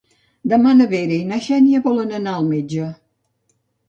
Demà na Vera i na Xènia volen anar al metge.